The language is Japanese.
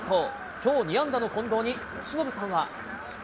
きょう、２安打の近藤に、由伸さんは。